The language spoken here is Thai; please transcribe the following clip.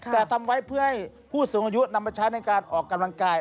แต่ทำไว้เพื่อให้ผู้สูงอายุนำมาใช้ในการออกกำลังกาย